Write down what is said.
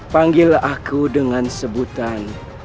panggil aku dengan sebutan